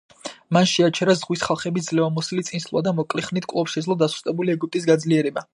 მან შეაჩერა „ზღვის ხალხების“ ძლევამოსილი წინსვლა და მოკლე ხნით კვლავ შეძლო დასუსტებული ეგვიპტის გაძლიერება.